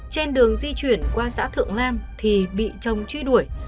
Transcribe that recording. trên đường di chuyển qua xã thượng lam thì bị chồng truy đuổi